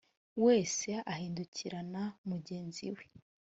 wese ahindukirana mugenzi we